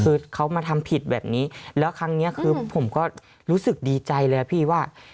คือเขามาทำผิดแบบนี้แล้วครั้งนี้คือผมก็รู้สึกดีใจเลยอะพี่ว่า